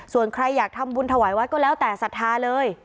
ส่วนใครอยากทำบุญถวายวัดก็แล้วแต่ศรัทธาเลย